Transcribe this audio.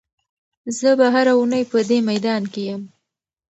زه به هره اونۍ په دې میدان کې یم.